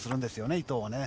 伊藤はね。